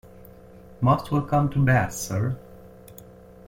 Most welcome to Bath, sir.